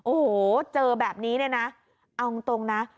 โอ้โหเจอแบบนี้เนี่ยนะเอาตรงนะ